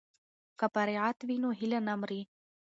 که فراغت وي نو هیله نه مري.